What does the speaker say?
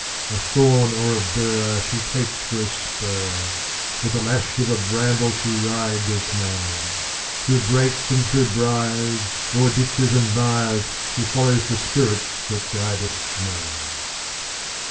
A thorn or a bur She takes for a spur; With a lash of a bramble she rides now, Through brakes and through briars, O'er ditches and mires, She follows the spirit that guides now.